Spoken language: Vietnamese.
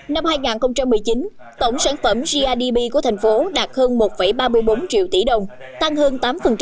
năm hai nghìn một mươi chín tổng sản phẩm grdp của thành phố đạt hơn một ba mươi bốn triệu tỷ đồng tăng hơn tám